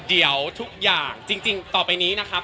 เดี๋ยวทุกอย่างจริงต่อไปนี้นะครับ